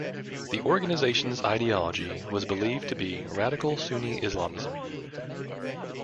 The organization's ideology was believed to be radical Sunni Islamism.